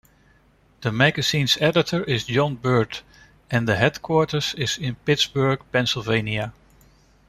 The magazine's editor is John Burtt and the headquarters is in Pittsburgh, Pennsylvania.